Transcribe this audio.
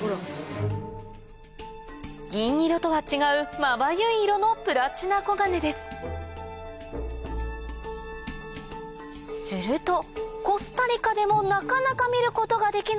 銀色とは違うまばゆい色のプラチナコガネですするとコスタリカでもなかなか見ることができない